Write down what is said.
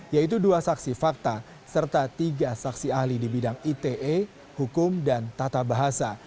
yaitu dua saksi fakta serta tiga saksi ahli di bidang ite hukum dan tata bahasa